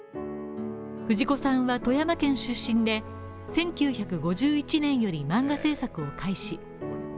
藤子さんは富山県出身で１９５１年より、漫画制作を開始。